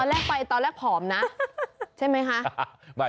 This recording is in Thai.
แรกไปตอนแรกผอมนะใช่ไหมคะ